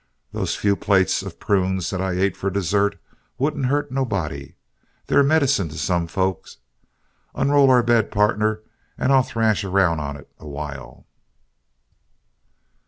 Those few plates of prunes that I ate for dessert wouldn't hurt nobody they're medicine to some folks. Unroll our bed, pardner, and I'll thrash around on it awhile."